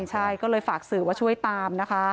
ใช่ก็เลยฝากสื่อว่าช่วยตามนะคะ